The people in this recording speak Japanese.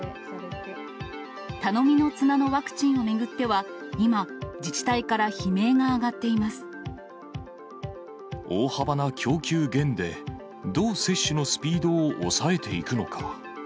頼みの綱のワクチンを巡っては、今、自治体から悲鳴が上がってい大幅な供給減で、どう接種のスピードを抑えていくのか。